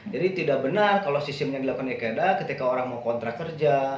jadi tidak benar kalau sistem yang dilakukan ikaeda ketika orang mau kontrak kerja